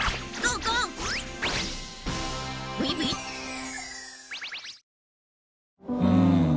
うん。